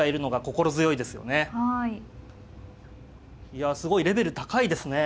いやすごいレベル高いですね。